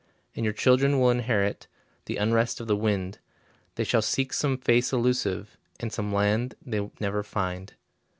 And your children will inherit The unrest of the wind, They shall seek some face elusive, And some land they never find.